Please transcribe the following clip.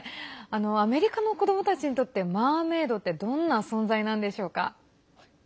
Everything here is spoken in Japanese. アメリカの子どもたちにとってマーメードってどんな存在なんでしょうか？